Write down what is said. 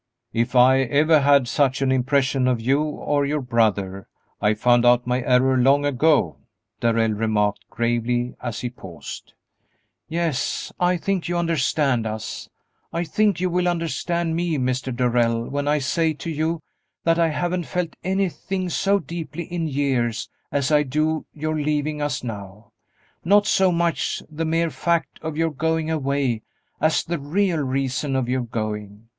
"If I ever had such an impression of you or your brother, I found out my error long ago," Darrell remarked, gravely, as she paused. "Yes, I think you understand us; I think you will understand me, Mr. Darrell, when I say to you that I haven't felt anything so deeply in years as I do your leaving us now not so much the mere fact of your going away as the real reason of your going.